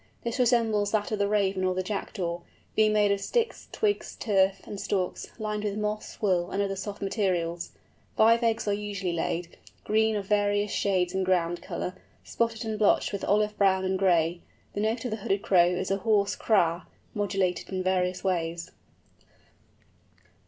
This resembles that of the Raven or the Jackdaw, being made of sticks, twigs, turf, and stalks, lined with moss, wool, and other soft materials. Five eggs are usually laid, green of various shades in ground colour, spotted and blotched with olive brown and gray. The note of the Hooded Crow is a hoarse kra, modulated in various ways.